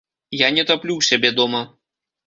Я не таплю ў сябе дома.